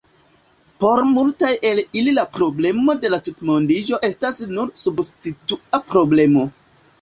Por multaj el ili la problemo de la tutmondiĝo estas nur substitua problemo.